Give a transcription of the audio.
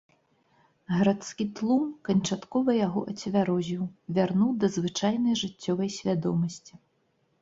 Гарадскі тлум канчаткова яго ацвярозіў, вярнуў да звычайнай жыццёвай свядомасці.